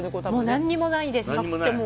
何にもないです。